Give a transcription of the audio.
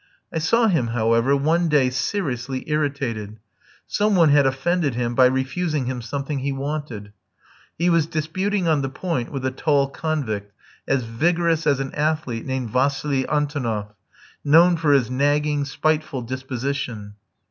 I saw him, however, one day seriously irritated. Some one had offended him by refusing him something he wanted. He was disputing on the point with a tall convict, as vigorous as an athlete, named Vassili Antonoff, known for his nagging, spiteful disposition.